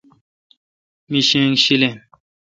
می شینگ شیلین۔